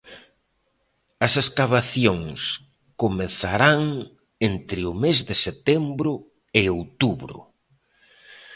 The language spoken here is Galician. As escavacións comezarán entre o mes de setembro e outubro.